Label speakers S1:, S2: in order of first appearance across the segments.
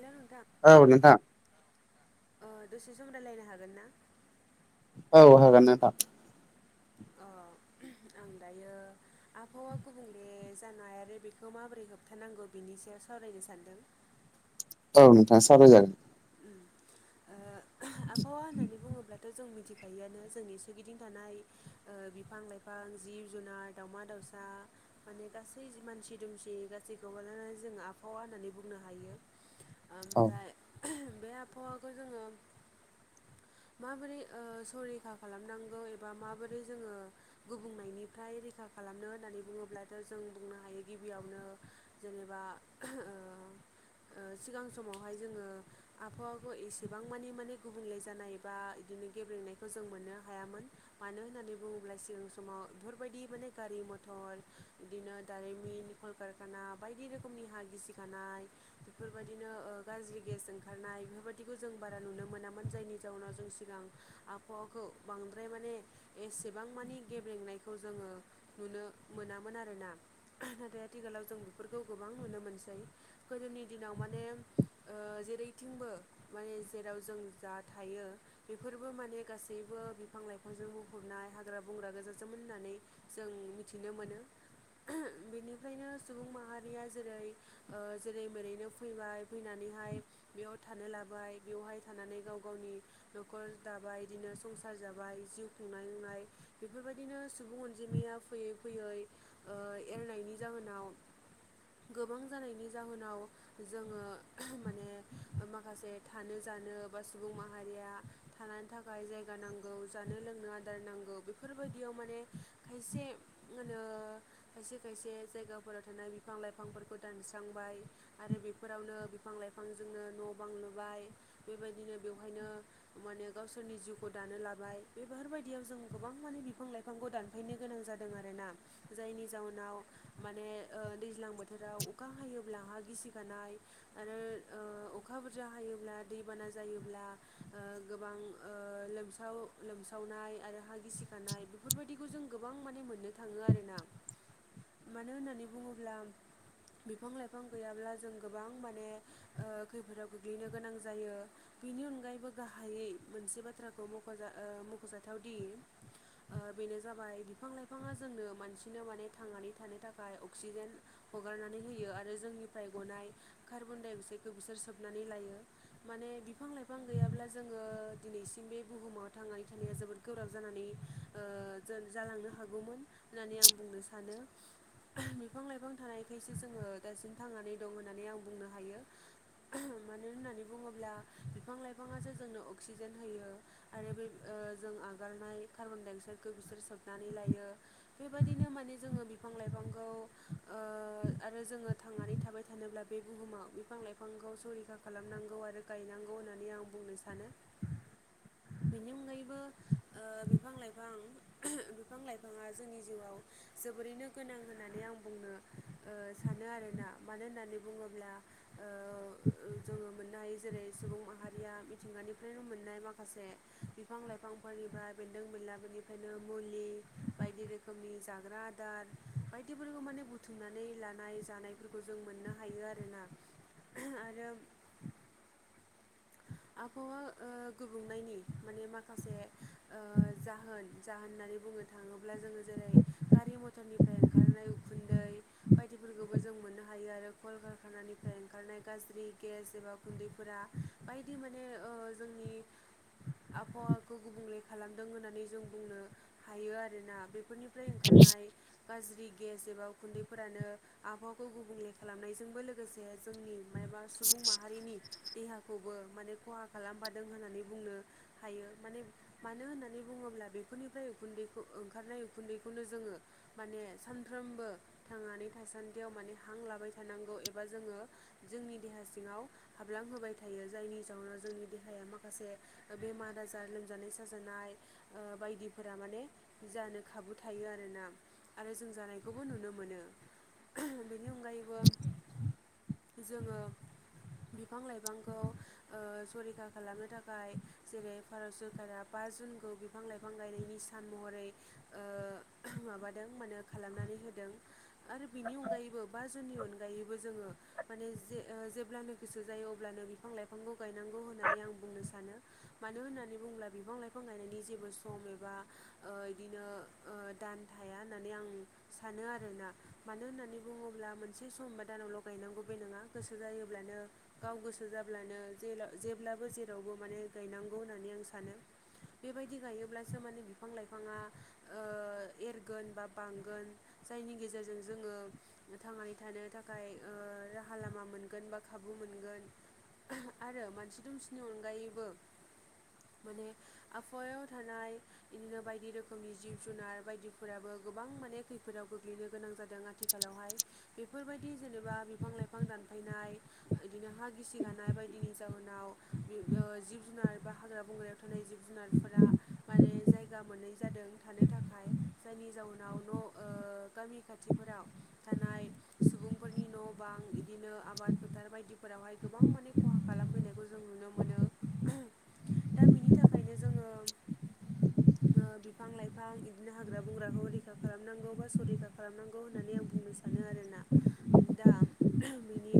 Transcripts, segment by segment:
S1: हेल' नोंथां
S2: औ नोंथां
S1: दसे सम रायलायनो हागोन ना
S2: औ हागोन नोंथां
S1: ओ आं दायो आबहावा गुबुंले जानो आरो बेखौ माबोरै होबथानांगौ बिनि सायाव सावरायनो नो सानदों
S2: औ नोंथां सावराय जागोन
S1: उम आबहावा होननानै बुङोब्लाथ' जों मिथि गायोआनो जोंनि सोरगिदिं थानाय ओ बिफां लाइफां जिब जुनार दावमा दाउसा माने गासै मानसि दुमसि गासैखौ मानानै जों आबहावा होननानै बुंनो हायो
S2: औ
S1: ओमफ्राय बे आबहावाखौ जोङो माबोरै ओ सरैखा खालामनांगौ एबा माबोरै जोङो गुबुंनायनिफ्राय रैखा खालामनो होननानै बुङोब्लाथ जों बुंनो हायो गिबियावनो जेनेबा सिगां समावहाय जोङो आबहावाखौ एसेबां मानि माने गुबुंले जानाय बा बिदिनो गेब्लेनायखौ जों मोननो हायामोन मानो होननानै बुङोब्ला सिगां समाव बेफोरबायदि माने गारि मथर बिदिनो दारिमि कल कारखाना बायदि रोखोमनि हा गिसिखानाय बेफोरबादिनो ओ गाज्रि गेस ओंखा खारनाय बेफोरबायदिखौ जों बारा नुनो मोनामोन जायनि जाउनाव जों सिगां आबहावाखौ बांद्राय माने माने एसेबां मानि गेब्रेंनायखौ जोङो नुनो मोनामोन आरोना नाथाय आथिखालाव जों बेफोरखौ गोबां नुनो मोनसै गोदोनि दिनाव माने ओ जेरै थिंबो माने जेराव जों जा थायो बेफोरबो माने गासैबो बिफां लाइफां जों बुंफनाय हाग्रा बंग्रा गोजासोमोन होननानै जों मिथिनो मोनो बेनिफ्रायनो सुबुं माहारिया जेरै ओ जेरै मेरैनो फैबाय फैनानै बेहाय बेयाव थानो लाबाय बेवहाय थानानै गाव गावनि नखर दाबाय बिदिनो संसार जाबाय जिउ खुंनांनाय बेफोरबायदिनो सुबुं अनजिमाया फैयै फैयै ओ एरनाय नि जाहोनाव गोबां जानायनि जाहोनाव जोङो माने माखासे थानो जानो बा सुबुं माहारिया थानो थाखाय जायगा नांगौ जानो लोंनो आदार नांगौ बेफोरबायदियाव माने खायसे मा होनो खायसे खायसे बे जायगाफोराव थानाय बिफां लाइफांफोरखौ दानस्रांबाय आरो बेफोरावनो बिफां लाइफां जोंनो न' बां लुबाय बेबायदिनो बेवहायनो माने गावसोरनि जिउखौ दानो लाबाय बेफोरबायायदियाव जों गोबां माने बिफां लाइफांखौ दानफायनो गोनां जादों आरोना जायनि जउनाव माने दैज्लां बोथोराव अखा हायोब्ला हा गिसिखानाय आरो [unintelligible] अखा बुरजा हायोब्ला दैबाना जायोब्ला ओ गोबां ओ लोमसाव लोमसाव नाय आरो हा गिसिखानाय बेफोरबायदिखौ जों गोबां माने मोननो थाङो आरोना मानो होननानै बुङोब्ला बिफां लाइफां गैयाब्ला जों गोबां माने खैफोदाव गोग्लैनो गोनां जायो बिनि अनगायैबो गाहायै मोनसे बाथ्राखौ मख'जायो ओ मख'जाथावदि बेनो जाबाय बिफां लाइफाङा जोंनो मानसिनो माने थांनानै थानो थाखाय अक्सिजेन हगारनानै होयो आरो जोंनिफ्राय गनाय कार्बन दाय अक्साइड बिसोर सोबनानै लायो माने बिफां लाइफां गैयाब्ला जोङो दिनैसिम बे बुहुमाव थां थांनानै थानाया जोबोद गोब्राब जानानै जालांनो हागौमोन होननानै आं बुंनो सानो बिफां लाइफां थानायखायसो जोङो दासिम थांनानै दं होननानै आं बुंनो हायो [unintelligible] मानो होननानै बुङोब्ला बिफां लाइफाङासो जोंनो अक्सिजेन होयो आरो बे जों नागारनाय कार्बन दडाइ अक्साइदखौ बिसोर सोबनानै लायो बेबायदिनो माने जोङो बिफां लाइफांखौ जोङो थांनानै थाबाय थानोब्ला बे बुहुमाव बिफां लाइफां बिफांखौ सरैखा खालामनांगौ आरो गायनांगौ होननानै आं बुंनो सानो बिनि अनगायैबो बिफां लाइफां बिफां लाइफाङा जोंनि जिउआव जोबोद जोबोरैनो गोनां होननानै आं बुंनो ओ सानो आरोना मानो होननानै बुङोब्ला ओ जोङो मोननो हायो जेरै सुबुं माहारिया मिथिंगानिफ्रायनो मोननाय माखासे बिफां लाइफांफोरनि बा बेनदों बेनला मुलि बायदि रोखोमनि जाग्रा आदार बायदि रोखोमनि बुथुमनानै लानाय जानायफोरखौ जों मोननो हायो आरोना आरो आबहावा ओ गुबुंनायनि माने माखासे ओ जाहोन जाहोन होननानै बुंनो थाङोब्ला जोङो जेरै गारि मथरनिफ्राय ओंखारनाय उखुन्दै बायदिफोरखौबो जों जों मोननो हायो आरो कलकारखानानिफ्राय ओंखारनाय गाज्रि गेस एबा गुन्दैफोरा बायदि माने ओ जोंनि आबहावाखौ गुबुंले खालामदों होननानै जों बुंनो हायो आरोना बेफोरनि दैओंखारनाय गाज्रि गेस एबा उखुन्दैफोरानो आबहावाखौ गुबुंले खालामनायजोंबो लोगोसे जोंनि माबा सुबुं माहारिनि देहा खौबो माने खहा खालामफादों होननानै बुंनो हायो माने मानो होननानै बुङोब्ला बे निफ्राय उखुन्दैखौ ओंखारनाय उखुन्दैखौनो जोङो माने सानफ्रोमबो थांनानै थायो। थासान्दियाव माने हां लाबाय थानांगौ एबा जोङो जोंनि देहा सिङाव हाबलां होबाय थायो। थायो जायनि जाउनाव जोंनि देहाया माखासे बेमार आजार लोमजानाय साजानाय ओ बायदिफोरा माने जानो खाबु थायो आरोना आरो जों जानायखौबो नुनो मोनो। बेनि अनगायैबो जोङो बिफां लाइफां खौ ओ ओ संरैखा खालामनो थाखाय जेरै भारत सरकारा बा जुनखौ बिफां लाइफां गायनायनि सान महरै ओ माबादों माने खालामनानै होदों आरो बिनि अनगायैबो बा जोंनि अनगायैबो जेब्लानो गोसो जायो अब्लानो बिफां लाइफांखौ गायनांगौ होननानै होननानै आ बुंनो सानो मानो होननानै बुंङोबा बिफां लाइफां गायनायनि जेबो सम एबा ओ बिदि ओ ओ दान थाया होननानै आं सानो आरोना मानो होननानै बुङोब्ला मोनसे समबा दानावल' गायनांगौ बे नङा गोसो जायोब्लानो गाव गोसो सो जाब्लानो जेब्लाबो जेरावबो माने गायनांगौ होननानै आं सानो। बेबायदि गायोब्लासो माने बिफां लाइफाङा ओ एरगोन बा बांगोन। जायनि गेजेरजों जोङो थांनानै थानो थाखाय ओ राहा लामा मोनगोन बा खाबु मोन मोनगोन आरो मानसि दुमसिनि अनगायैबो माने आबहायाव थानाय बिदिनो बायदि रोखोमनि जिब जुनार बायदिफोराबो गोबां माने खैफोदाव गोग्लैनो गोनां जादों आथिखालावहाय बेफोरबायदि जेनेबा बिफां लाइफां दान थांफायनाय बिदिनो हाय गिसि गानाय बायदिनि जाहोनाव ओ जिब जुनार बा हाग्रा बंग्रायाव थानाय जिब जुनारफोरा माने जायगा मोनै जादों थानो थाखाय जायनि जाउनाव न' ओ गामि खाथि खाथिफोराव थानाय सुबुंफोरनि न' बां बिदिनो आबाद फोथार बायदिफोरावहाय गोबां माने खहा खालामफैनायखौ जों नुनो मोनो। दा बिनि थाखायनो जोंङो ओ बिफां लाइफां बिदिनो हाग्रा बंग्राखौ रैखा खालामनांगौ बा संरैखा खालामनांगौ होननानै आं बुंनो सानो। दा मोनो आरोना दा बेनि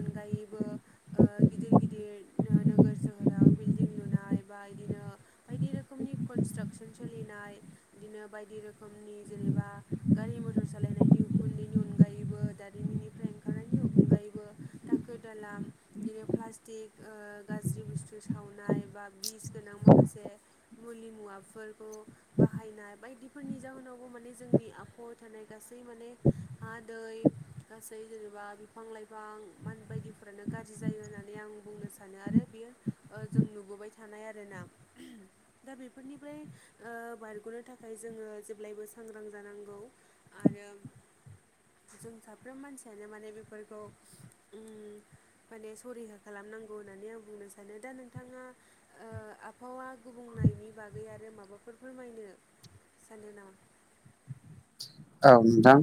S1: अनगायैबो ओ गिदिर गिदिर ओ नोगोर सोहोराव बिल्डिं लुनाय बा बिदिनो बायदि रोखोम रनि्रास सोलिनाय बिदिनो बायदि रोखनि जेनेबा गारि मथर सा हलायनायनि उखुन्दैनि अनगायैबो दारिमिननिफ्राय ओंखारनायनि अनगायैबो दाखोर दाला बिदि प्लास्टिक ओ गाज्रि बुस्थु सावनाय बा बिस गोनां माखासे मुलि मुवाफोरखौ बाहायनाय बायदिफोरनि जाहोनावबो माने जोंनि आखहायाव थानाय गासैबो माने हा दै गासै जेनेबा बिफां लाइफां बायदिफोरानो गाज्रि जायो होननानै आं बुंनो सानो आरो बेयो ओ जों नुबोबाय थानाय आरोना। दा बेफोरनिफ्राय ओ बारग'नो थाखाय जोंङो जेब्लायबो सांग्रां जानांगौ आरो आरो जों साफ्रोम मानसियानो माने बेफोरखौ उम माने सरिखा खालामनांगौ होननानै आं बुंनो सानो दा नोंथांङा ओ आबहावा गुबुं नि बागै आरो माबाफोर फोरमायनो सानो नामा?
S2: औ नोंथां।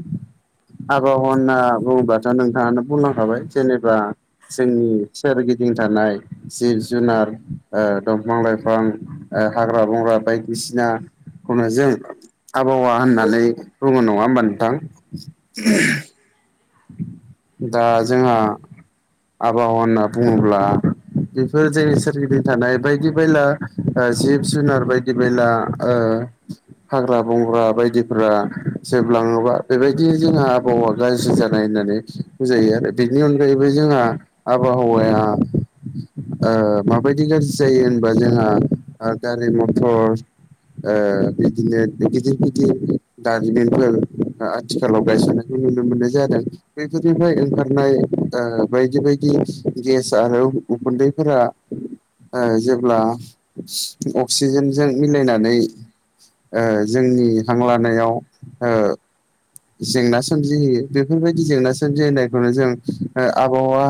S2: आबहावा होनना बुङोबाथ' नोंथांङानो बुंनांखाबाय जेनेबा जोंनि सोरगिदिं थानाय जिब जुनार ओ दंफां लाइफां हाग्रा बंग्रा बायदिसिनाखौनो जों आबहावा होननानै बुङो नंङा होमबा नोंथां दा जोंहा आबहावा होनना बुंङोब्ला बेफोर जोंनि सोरगिदिं थानाय बायदि बेला जिब जुनार बायदि बेला हाग्रा बंग्रा बायदिफोरा जोबलांङोबा बेबायदि जोंहा आबहावा गाज्रि होननानै बुंजायो आरो बेनि अनगायैबो जोंहा आबहावाया माबायदि गाज्रि जायो होनबा जोंहा गारि मथर बिदिनो गिदिर गिदिर दारिमिनफोर आथिखालाव गायसन नुनो मोननाय जादों बेफोरनिफ्राय ओंखारनाय बायदि बायदि गेस आरो उखुन्दैफोरा जेब्ला अक्सिजेनजों मिलायनानै जोंनि हांलानायाव जेंना सोमजिहोयो बे बेफोरबायदि जेंना सोमजिनायखौनो जों आबहावा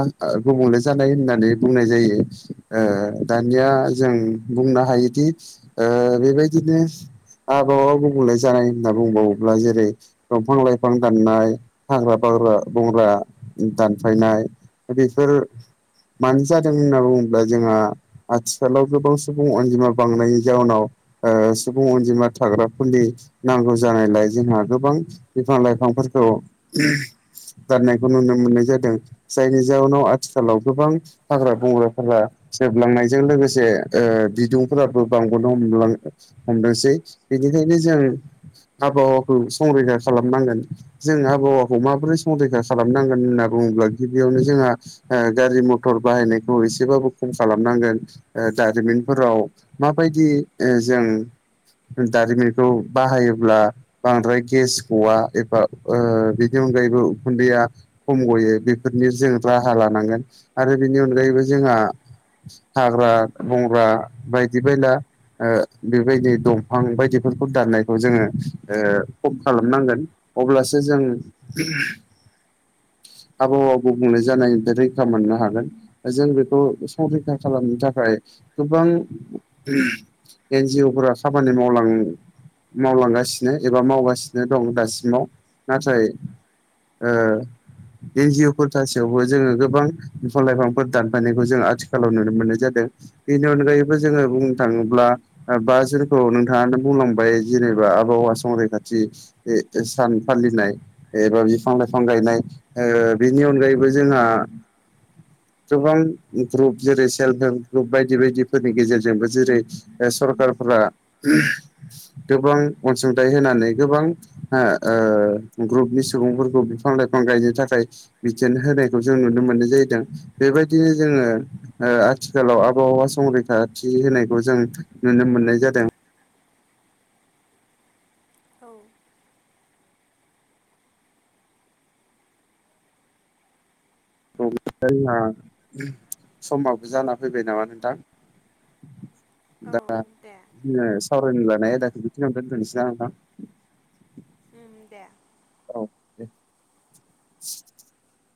S2: गुबुंले जानाय होननानै बुंनाय जायो दानिया जों बुंनो हायोदि बेबायदिनो आबहावा गुबुंले जानाय होनना बुंबावोब्ला जेरै दंफां लाइफां दाननाय हाग्रा बग्रा बंग्रा दानफायनाय बेफोर मानो जादों होनना बुंङोब्ला जोंहा आथिखालाव गोबां सुबुं अनजिमा बांनायनि जाउनाव सुबुं अनजिमा थाग्रा खुलि नांगौ जानायलाय जोंहा गोबां बिफां लाइफां फोरखौ दाननायखौ नुनो मोननाय जादों जायनि जााहोनाव आथिखालाव गोबां हाग्रा बं बंग्राफोरा जोबलांनायजों लोगोसे ओ बिदुंफोराबो बांबोनो बिनिखायनो जों आबहावाखौ संरैखा खालामनांगोन जों आबहावा माबोरै संरैखा खालामनांगोन होनना बुङोब्ला गिबियावनो जोंहा गारि मथर बाहायनायखौ एसेबाबो खम खालामनांगोन दारिमिनफोराव माबायदि जों दारिमिनखौ बाहायोब्ला बांद्राय गेस गवा एबा ओ बि नि अनगायैबो उखुन्दैया खम गयो बेफोरनि जों राहा लानांगोन आरो बिनि अनगायैबो जों जोंहा हाग्रा बंग्रा बायदि बायला ओ‌ बेबायदि दंफां बायदिफोरखौ दाननायखौ जोङो ओ खम खालामनांगोन अब्लासो जों
S1: [inaudible]
S2: आबहावा गुबुंले जानायनिफ्राय रैखा मोननो हागोन जों बेखौ संरैखा खालामनो थाखाय गोबां एनजिअ फोरा खामानि मावलां मावलांगासिनो एबा मावगासिनो दं दासिमाव नाथाय ओ एन जिअफोर थासि यावबो जोङो गोबां बिफां लाइफांफोर दानफायनायखौ जों आथिखालाव नुनो मोननाय जादों बेनि अनगायैबो जोङो बुंनो थाङोब्ला बा जोंखौ नोंथाङानो बुंलांबाय जेनेबा आबहावा संरैखाथि सान फालिनाय एबा बिफां लाइफां गायनाय ओ‌ बिनि अनगायैबो जोंहा
S1: [inaudible]
S2: गोबां ग्रुप जेरै सेल्फ हेल्प ग्रुप बायदि बायदिफोरनि गेजेरजोंबो जेरै सरकारफो रा गोबां अनसुंथाइ होनानै गोबां ओ ग्रुपनि सुबुंफोरखौ बिफां लाइफां गायनो थाखाय बिथोन होनायखौ जों नुनो मोननाय जाहैदों बे बेबायदिनो जोङो ओ आथिखालाव आबहावा संरैखाथि होनायखौ जों नुनो मोननाय जादों
S1: औ
S2: बिदिबा जोंहा समाबो जाना फैबाय नामा नोंथां
S1: [inaudible]
S2: दा
S1: दे
S2: जोङो सावरायनो लानाय आयदाखौ बिखिनियावनो दोनथ'नोसै नामा नोंथां
S1: उम दे
S2: [inaudible]